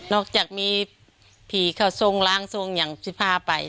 นอกจากมีผีเขาส่งล้างส่งอย่างสิภาพไป